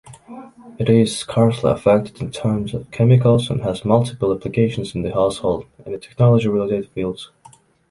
It is scarcely affected in terms of chemicals and has multiple applications in the household and in technology-related fields.